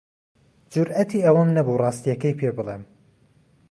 جورئەتی ئەوەم نەبوو ڕاستییەکەی پێ بڵێم.